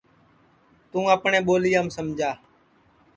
توں اپٹؔے ٻولیام سمجا